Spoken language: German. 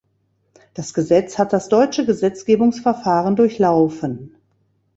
Das Gesetz hat das deutsche Gesetzgebungsverfahren durchlaufen.